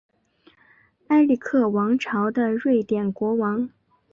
埃里克王朝的瑞典国王。